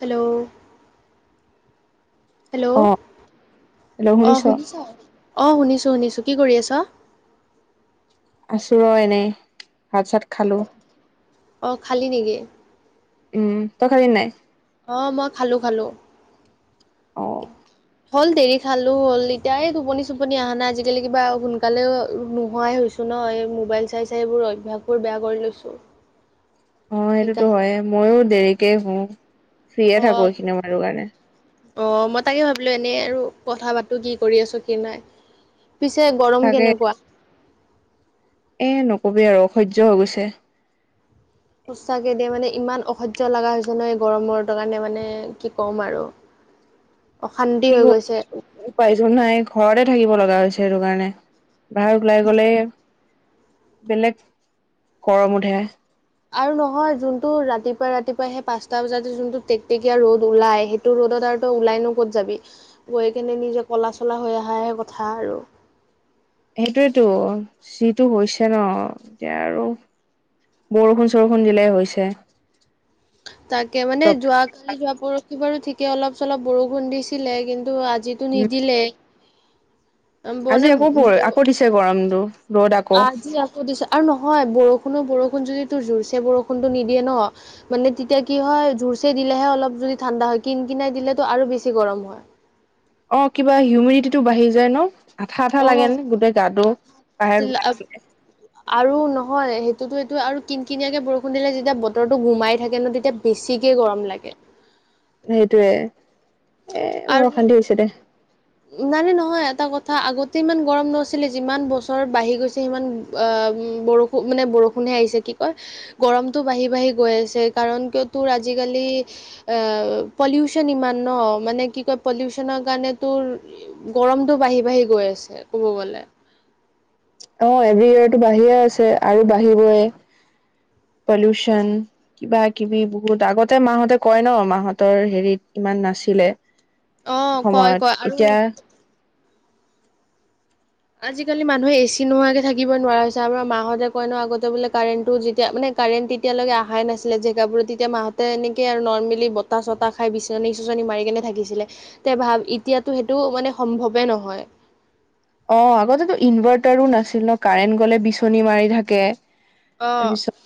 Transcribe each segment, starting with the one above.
Hello? Hello অ অ' শুনিছ? অ' শুনিছোঁ শুনিছোঁ কি কৰি আছ? আছো ৰহ এনেই ভাত চাত খালোঁ। অ', খালী নেকি? উম, তই খালি নাই? অ', মই খালো খালো। অ'। হ'ল দেৰি খালো হ'ল এতিয়া এই টোপনি চোপনি অহা নাই আজিকালি কিবা সোনকালেও নোহোৱাই হৈ হৈছে। নয় মোবাইল চাই চাইবোৰ অভ্যাসবোৰ বেয়া কৰি লৈছো। অ', সেইটোতো সেইকাৰণে হয় ময়ো দেৰিকে হো অ ফ্ৰয়ে থাকো এইখিনি মাৰ কাৰণে। অ', মই তাকে ভাবিলো এনেই আৰু কথা পাতো কি কৰি আছো কি নাই। পিছে গৰম তাকে কেনেকুৱা? এ নকবি আৰু অসহ্য হৈ গৈছে। সোচাকে দিয়া মানে ইমান অসজীয় লগা হৈ হৈছে নয় গৰমৰ কাৰণে মানে কি ক'ম আৰু। অশান্তি হৈ গৈছে। উপাৰজন নাই ঘৰতে থাকিব লগা হৈছে সেইটো কাৰণে বাহিৰ ওলাই গলে বেলেগ গৰম উঠে। আৰু নহয় যোনটো ৰাতিপুৱাই ৰাতিপুৱাই সেই পাঁচটা বজাতে যোনটো টেকটেকীয়া ৰ'দ ওলাই সেই তোৰ ৰ'দত আৰু তো ওলাইনো ক'ত যাবি গৈ কেনে নিজে ক'লা চলা হৈ অহাইাহে কথা আৰু। সেইটোৱেতো যিটো হৈছে ন এতিয়া আৰু বৰষুণ চৰষুণ দিলাই হৈছে। তাকে মানে উম যোৱ কালি যোৱা পৰশি বাৰু ঠিকে অলপ চলপ বৰষুণ দিছিলে। কিন্তু যিটো নিদিলে আজি মানে আকৌ আকৌ দিছে গৰমটো। ৰ'দ আকৌ আজি আকৌ দিছো আৰু নহয় বৰষুণো বৰষুণ যদি তোৰ জুৰছে বৰষুণতটো নিদিয়ে ন। মানে তেতিয়া কি হয় জোৰচ দিলেহে অলপ যদি ঠাণ্ডা হয় কিন কিনাই দিলেতো আৰু বেছি গৰম হয়। অ', কিবা হিউমিডিটিটো বাঢ়ি যায় ন! আঠা আঠা লাগেন গোটেই গাটো বাহিৰত ওলাই অ আহিলে। আৰু নহয় সেইটোতো এইটো আৰু কিন কিনিয়াকে বৰষুণ দিলে যেতিয়া বতৰো ঘোমাই থাকে ন তেতিয়া বেছিকৈ গৰম লাগে। সেইটোয়ে এ বৰ অশান্তি হৈছে দে। ইমানে নহয় এটা কথা আগতে ইমান গৰম নছিলে যিমান বছৰ বাঢ়ি গৈছে সিমান বৰষুণ খুব মানে বৰষুণহে আহিছে কি কয় গৰমতটো বাঢ়ি বাঢ়ি গৈ আছে কাৰণ কিয় তোৰ আজিকালি আউ পলিউচন ইমান ন মানে কি কয় পলিউচনৰ কাৰণে তোৰ গৰমতটো বাঢ়ি বাঢ়ি গৈ আছে ক'ব গ'লে। অ এভৰি ইয়োৰটো বাঢ়িয়ে আছে আৰু বাঢ়িবই পলিউচন। কিবা কিবি বহুত আগতে মাহঁতে কয় ন মাহঁতৰ হেৰিত ইমান নাছিলে। অ কয় সময়ত কয় আৰু এতিয়া আজিকালি মানুহে এ চি নোহোৱাকে থাকিবই নোৱাৰা হৈছে আমাৰ মাহঁতে কয় নহ আগতে বোলে কাৰেণ্টটো যেতিয়া মানে কাৰেণ্ট তেতিয়ালৈকে আহাই নাছিলে জেগাবোৰত তেতিয়া মাহঁতে এনেকে আৰু নৰ্মেলি বতাহ চতাহ খাই বিচনী চিচনী মাৰি কেনে থাকিছিলে তে ভাব এতিয়াতো সেইটো মানে সম্ভৱে নহয়। অ আগতেটো ইনভাৰ্টাৰো নাছিল ন কাৰেণ্ট গলে বিচনী মাৰি থাকে। অ তাৰপিছ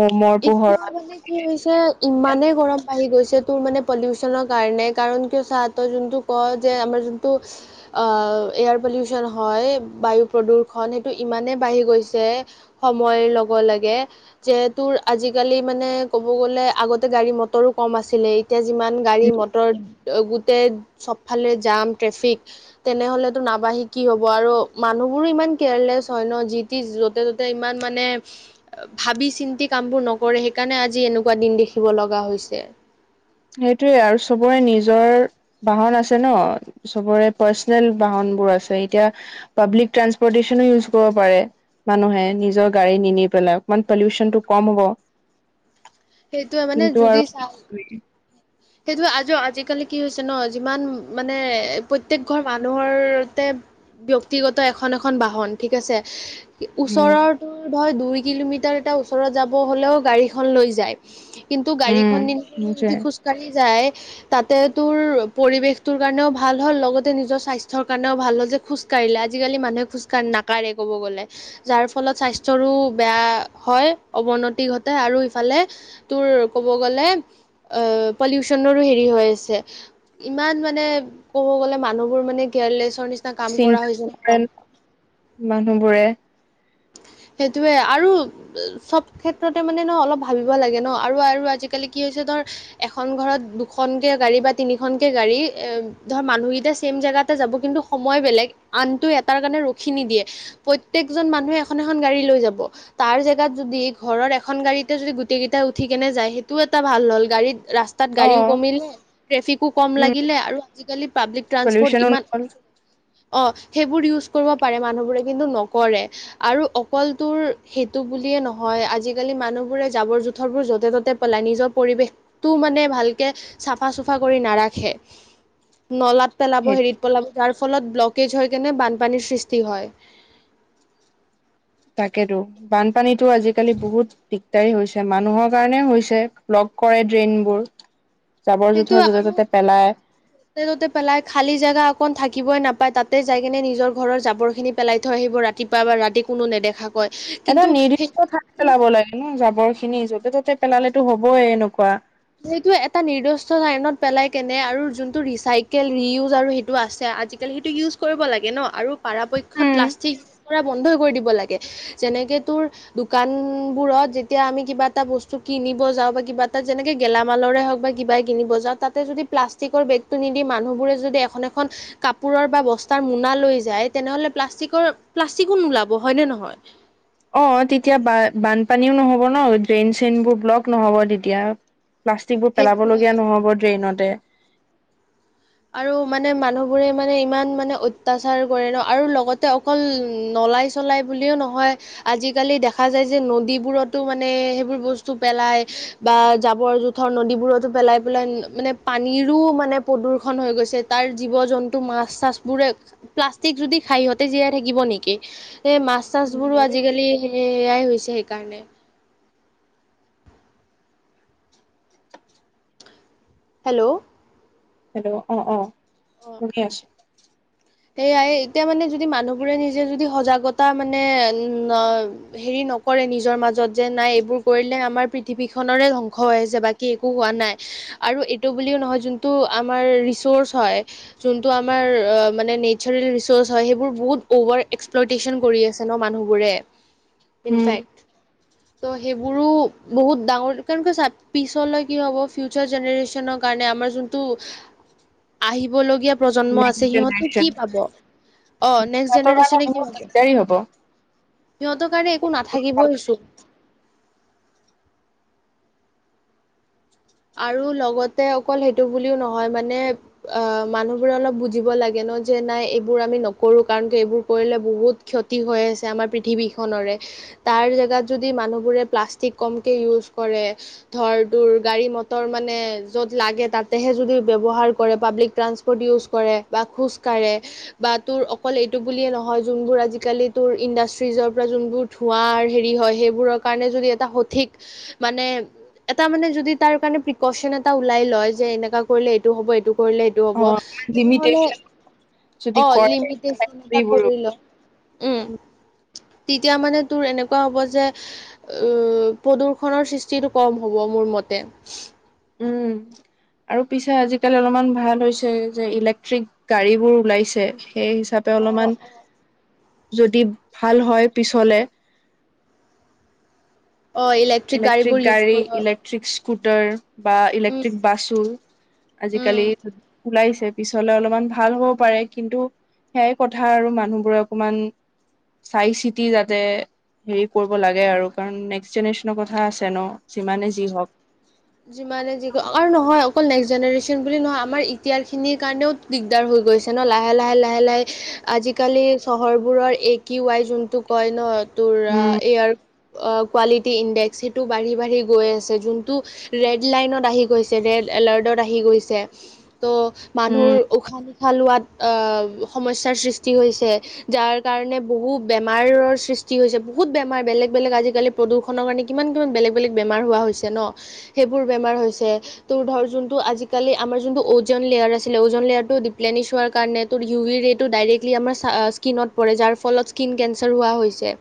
মমৰ এতিয়া পোহৰত। মানে কি হৈছে ইমানেই গৰম বাঢ়ি গৈছে তোৰ মানে পলিউচনৰ কাৰণে কাৰণ কিয় চা তই যোনটো ক যে আমাৰ যোনতটো আ' এয়াৰ পলিউচন হয় বায়ু প্ৰদূৰষণ সেইটো ইমানে বাঢ়ি গৈছে সময়ৰ লগ লাগে যে তোৰ আজিকালি মানে ক'ব গ'লে আগতে গাড়ী মটৰো কম আছিলেই এতিয়া যিমান গাড়ী মটৰ গোটেই চবফালে জাম ট্ৰেফিক তেনেহলেটো নাবাঢ়ি কি হ'ব আৰু মানুহবোৰ ইমান কেয়াৰলেছ হয় ন যি তি যতে ততে ইমান মানে ভাবি চিন্তি কামবোৰ নকৰে সেইকাৰণে আজি এনেকুৱা দিন দেখিব লগা হৈছে। সেইটোৱে আৰু চবৰে নিজৰ বাহন আছে ন চবৰে পাৰ্চনেল বাহন বোৰ আছে এতিয়া পাব্লিক ট্ৰানসপৰ্টেশচনো ইউজ কৰিব পাৰে মানুহে নিজৰ গাড়ী নিনি পেলাই অকমান পলিউচনটো ক'ম হ'ব। সেইটোয়ে মানে কিন্তু যুদি আৰু চা সেইটোয়ে আজ আজিকালি কি হৈছে ন যিমান মানে প্ৰত্যেক ঘৰ মানুহৰ তে ব্যক্তিগত এখন এখন বাহন ঠিক আছে উম ওচৰৰ টোৰ ধৰ দুই কিলোমিটাৰ এটা ওচৰত যাব হ'লেও গাড়ীখন লৈ যায় কিন্তু গাড়ীখন নি উম [unintelligible] সেইটোৱে যদি খোজকাঢ়ি যায় তাতে তোৰ পৰিৱেশ তোৰ কাৰণেও ভাল হ'ল লগতে নিজৰ স্বাস্থ্যৰ কাৰণেও ভাল হল যে খোজকাঢ়িলে আজিকালি মানুহে খোজকাঢ় নাকঢ়ে ক'ব গ'লে। যাৰ ফলত স্বাস্থ্যৰো বেয়া হয় অৱনতি ঘটে আৰু ইফালে তোৰ ক'ব গ'লে অ পলিউচনৰো হেৰি হৈ আছে ইমান মানে ক'ব গ'লে মানুহবোৰ মানে কেয়াৰলেছ চিন তেন মানুহবোৰে সেইটোয়ে আৰু চব ক্ষেত্ৰতে মানে ন অলপ ভাবিব লাগে ন আৰু আৰু আজিকালি কি হৈছে ধৰ এখন ঘৰত দুখনকে গাড়ী বা তিনিখনকে গাড়ী এ ধৰ মানুহকেইটা চছেম জেগাতে যাব কিন্তু সময় বেলেগ আনটো এটাৰ কাৰণে ৰখি নিদিয়ে প্ৰত্যেকজন মানুহে এখন এখন গাড়ী লৈ যাব। তাৰ জেগাত যদি ঘৰৰ এখন গাড়ীতে যদি গোটেই কেইটাই উঠি কেনে যায় সেইটোও এটা ভাল হ'ল গাড়ীত ৰাস তাত অ গাড়ীও কমিল ট্ৰেফিকো কম উম লাগিলে আৰু আজিকালি পাব্লিক ট্ৰানসপৰ্ট পলিউচনো ইমান নহল অ সেইবোৰ ইউজ কৰিব পাৰে মানুহবোৰে কিন্তু নকৰে। আৰু অকলটোৰ সেইটো বুলিয়েই নহয় আজিকালি মানুহবোৰে জাবৰ জোথৰবোৰ য'তে ত'তে পেলাই নিজৰ পৰিৱেশটো মানে ভালকে চাফা চুফা কৰি নাৰাখে। নলাত পেলাব সেই হেৰিত পলাব যাৰ ফলত ব্লকেজ হৈ কেনে বানপানীৰ সৃষ্টি হয়। তাকেটো বানপানীতো আজিকালি বহুত দিগদাৰি হৈছে মানুহৰ কাৰণে হৈছে ব্লক কৰে ড্ৰেইনবোৰ। জাবৰ জোথৰ সেইটোয়ে য'তে আৰু ত'তে পেলাই তে ত'তে পেলাই খালী জেগা অকণ থাকিবই নাপায় তাতে যাই কিনে নিজৰ ঘৰৰ জাবৰ খিনি পেলাই থৈ আহিব ৰাত তিপা বা ৰাতি কোনো নেদেখা কৈ। এটা নিৰ্দিষ্ট ঠাইত পেলাব লাগে ন, জাবৰ খিনি য'তে ত'তে পেলালেতো হ'বইে এনেকুৱা। সেইটো এটা নিৰ্দিষ্ট লাইনত পেলাই কেনে আৰু যোনটো ৰিচাইকেল ৰিউজ আৰু সেইটো আছে আজাল- তেতিয়াহ'লে সেইটো ইউজ কৰিব লাগে ন, আৰু পৰাপক্ষত প্লাষ্টিক ইউজ কৰা বন্ধই কৰি দিব লাগে। যেনেকৈ তোৰ, দোকান বোৰত যেতিয়া আমি কিবা এটা বস্তু কিনিব যাওঁ বা কিবা এটা যেনেকে গেলামালৰে হওঁক বা কিবাই কিনিব যাওঁ, তাতে যদি প্লাষ্টিকৰ বেগটো নিদি মানুহবোৰে যদি এখন এখন- কাপোৰৰ বা বস্তাৰ মোনা লৈ যায়, তেনেহ'লে প্লাষ্টিকৰ প্লাষ্টিকো নোলাব হয়নে নহয়? অ', তেতিয়া ব বানপানীও নহ'ব ন। ড্ৰেইন চেইনবোৰ ব্লক নহ'ব তেতিয়া। প্লাষ্টিকবোৰ সেইটোৱে পেলাবলগীয়া নহ'ব ড্ৰেইনতে। আৰু মানে মানুহবোৰে মানে ইমান মানে অত্যাচাৰ কৰে ন আৰু লগতে- অকল নলাই চলাই বুলিও নহয়, আজিকালি দেখা যায় যে, নদীবোৰতো মানে সেইবোৰ বস্তু পেলাই। বা জাবৰ-জোথৰ নদীবোৰতো পেলাই পেলাই মানে পানীৰো মানে প্ৰদূষণ- হৈ গৈছে, তাৰ জীৱ-জন্তু মাছ চাছবোৰে, প্লাষ্টিক যদি খাই, সিহঁতে জীয়াই থাকিব নেকি? এ মাছ- চাছ বোৰো আজিকালি সেয়াই হৈছে সেইকাৰণে, হেল্ল' হেল্ল' অ', অ', শুনি আছোঁ। সেয়াই, এতিয়া মানে যদি মানুহবোৰে নিজে যদি সজাগতা মানে উম্। হেৰি নকৰে, নিজৰ মাজত যে নাই, এইবোৰ কৰিলে আমাৰ পৃথিৱীখনৰে ধ্বংস হৈ আহিছে। বাকী একো হোৱা নাই। আৰু এইটো বুলিও নহয়, যোনটো আমাৰ ৰিচাৰ্চ হয়, যোনটো আমাৰ- মানে নেচাৰেল ৰিচ'ৰ্চ হয়, সেইবোৰ বহুত অভাৰ এক্সপ্লটেচন কৰি আছে ন মানুহবোৰে উম ইনফেক্ট। ত' সেইবোৰো বহুত ডাঙৰ, কাৰণ পিছলে কি হ'ব ফিউচাৰ জেনেৰেচনক- কাৰণে আমাৰ যোনটো আহিবলগীয়া প্ৰজন্ম নেক্স আছে, সিহঁতে - জেনেৰেচন কি পাব। অ', নেক্স সিহঁতৰ কাৰণে জেনেৰেচনে কি বহুত পাব। দিগদাৰী হ'ব সিহঁতৰ কাৰণে একো নাথাকিবইচোন। আৰু লগতে অকল সেইটো বুলিও নহয় মানে। অ', মানুহবোৰে অলপ বুজিব লাগে ন যে নাই এইবোৰ আমি নকৰোঁ। কাৰণ এইবোৰ কৰিলে বহুত- ক্ষতি হৈ আছে, আমাৰ পৃথিৱীখনৰে। তাৰ জেগাতে, যদি মানুহবোৰে প্লাষ্টিক কমকে ইউজ কৰে ধৰ, তৰ গাড়ী ম- ৰ মানে য'ত লাগে, তাতেহে যদি ব্যৱহাৰ কৰে। পাব্লিক ট্ৰানসপৰ্ট ইউজ কৰে। বা খোজ কাঢ়ে। বা তোৰ অকল এইটো বুলিয়ে নহয়, যোনবোৰ আজিকালি তোৰ ইণ্ডাষ্ট্ৰিজৰ পৰা যোনবোৰ- ধোঁৱাৰ হেৰি হয়, সেইবোৰৰ কাৰণে যদি এটা সঠিক- মানে, এটা মানে যদি তাৰ কাৰণে- প্ৰিকচন এটা ওলাই লয়, যে এনেকা কৰিলে এইটো হ'ব। এইটো কৰিলে- এইটো হ'ব, অ তেনেহলে লিমিটেচন যদি অ', কৰে লিমিটেচন এটা ফেক্টৰীবোৰো কৰি ল। উম্, তেতিয়া মানে তোৰ এনেকুৱা হ'ব যে। উম্, প্ৰদূ্ষনৰ সৃষ্টিটো কম হ'ব মোৰ মতে। উম্, আৰু পিছে আজিকালি অলপমান ভাল হৈছে যে ইলেক্ট্ৰিক- গাড়ী বোৰ ওলাইছে, সেই হিচাপ- ত, অ অ অলপমান যদি ভাল হয় পিছলে। অ', ইলেক্ট্ৰনিক। ইলেক্ট্ৰিক গাড়ী, ইলাক- ই্লেকট্ৰিক স্কুটাৰ বা উম ইলেক্ট্ৰিক বাছো, উম আজিকালি- ওলাইছে, পিছলে অলপমান ভাল হ'ব পাৰে কিন্তু। সেইয়াই কথা আৰু মানুহবোৰে অকমান। চাই চিতি যাতে হেৰি কৰিব লাগে আৰু কাৰণ নেক্স জেনেৰেচন- ন' কথা আছে ন' যিমানে যি হওক। যিমানে যি আৰু নহয় অকল নেক্স জেনেৰেশ্যন বুলি নহয় আমাৰ এতিয়াৰ খিনিৰ কাৰণেও দিগদাৰ হৈ গৈছে ন' লাহে - লাহে - লাহে - লাহে আজিকালি চহৰবোৰৰ এক কি ৱায় যোনটো কয় ন' তোৰ উম এয়াৰ কোৱালিটি ইণ্ডেক্স সেইটো বাঢ়ি বাঢ়ি গৈ আছে যোনটো ৰেড লাইনত আহি গৈছে, ৰেড এলাৰ্টত আহি গৈছে। ত' উম মানুহৰ উশাহ নিশাহ লোৱাত আ, সমস্যাৰ সৃষ্টি হৈছে। যাৰ কাৰণে বহু বেমাৰৰ সৃষ্টি হৈছে, বহুত বেমাৰ, বেলেগ, বেলেগ আজিকালি প্ৰদূষণৰ কাৰণে কিমান কিমান বেলেগ বেলেগ বেমাৰ হোৱা হৈছে ন, সেইবোৰ বেমাৰ হৈছে তোৰ ধৰ যোনটো আজিকালি আমাৰ যোনটো ওজন লেয়াৰ আছিলে, ওজন লেয়াৰ টো দিপ্লেনিছ হোৱাৰ কাৰণে তোৰ ইউ ভি ৰেটো ডাইৰেক্টলি আমাৰ স্কীনত পৰে যাৰ ফলত স্কীন কেঞ্চাৰ হোৱা হৈছে।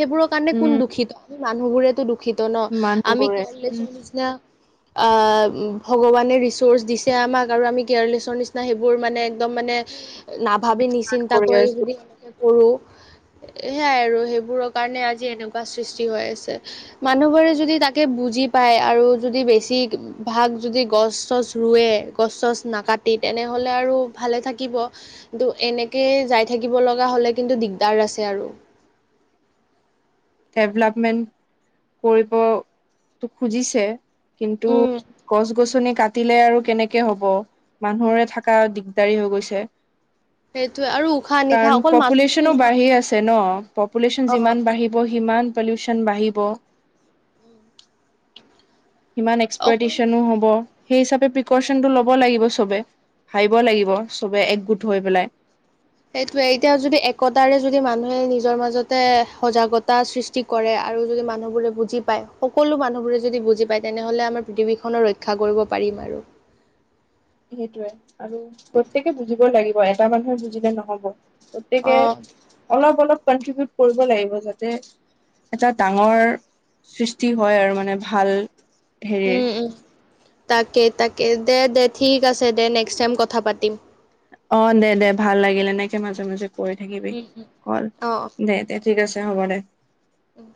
সেইবোৰৰ কাৰণে উম কোন দুখিত, আমি মানুহবোৰেতো দুখিত ন', আমি মানুহবোৰে উম, কেৰলেছৰ নিচিনা আ, ভগৱানে ৰিচ'ৰ্চ দিছে আমাক আৰু আমি কেয়াৰলেছৰ নিচিনা সেইবোৰ মানে একদম মানে নাভাবি নিচিন্তা কৰি যদি এনেকে কৰো হেয়াই আৰু হেইবোৰৰ কাৰণে আজি এনেকুৱা সৃষ্টি হৈ আছে। মানুহবোৰে যদি তাকে বুজি পায় আৰু যদি বেছিভাগ যদি গছ চছ ৰুৱে, গছ চছ নাকাটি তেনেহ'লে আৰু ভালে থাকিব, কিন্তু, এনেকে যাই থাকিব লগা হ'লে কিন্তু দিগদাৰ আছে আৰু ডেভলপমেণ্ট কৰিবো খুজিছে, কিন্তু উম, গছ গছনি কাটিলে আৰু কেনেকে হব। মানুহৰে থকা দিগদাৰী হৈ গৈছে। সেইটোৱে আৰু উশাহ নিশাহ কাৰণ অকল মানুহ বুলি পপুলেশচনো নহয় বাঢ়ি আছে ন', পপুলেশ্যন অ', যিমান বাঢ়ি সিমান পলিউচন বাঢ়িব। সিমান অকল এক্সপাৰটেশ্যনো হ'ব। সেই হিচাপে প্ৰিকচনটো ল'ব লাগিব চবে, ভাবিব লাগিব চবে একগোট হৈ পেলাই। সেইটোৱেই এতিয়া যদি একতাৰে যদি মানুহে নিজৰ মাজতে সজাগতা সৃষ্টি কৰে আৰু যদি মানুহবোৰে বুজি পায়, সকলো মানুহবোৰে যদি বুজি পায় তেনেহ'লে আমাৰ পৃথিৱীখনৰ ৰক্ষ ৰক্ষা কৰিব পাৰিম আৰু। সেইটোয়ে আৰু প্ৰত্যকে বুজিবই লাগিব এটা মানুহে বুজিলে নহব। অ গতিকে, অলপ অলপ কনট্ৰিবউট কৰিব লাগিব যাতে এটা ডাঙৰ সৃষ্টি হয় আৰু মানে ভাল হেৰিৰ উম তাকে, তাকে দে, দে ঠিক আছে দে নেক্সট টাইম কথা পাতিম। অ', দে, দে ভাল লাগিলে এনেকে মাজে, মাজে কৰি থাকিবি উম, উম, কল দে, দে ঠিক আছে হ'ব দে। উম,